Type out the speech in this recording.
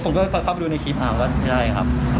ผมก็เข้าไปดูในคลิปนะครับว่าไม่ได้ครับ